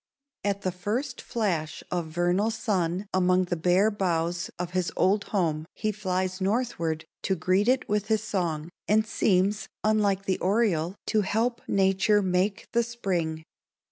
_ At the first flash of vernal sun among the bare boughs of his old home he hies northward to greet it with his song, and seems, unlike the oriole, to help nature make the spring.